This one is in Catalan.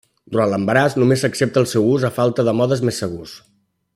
Durant l'embaràs només s'accepta el seu ús a falta de modes més segurs.